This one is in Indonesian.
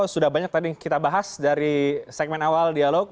sudah banyak tadi kita bahas dari segmen awal dialog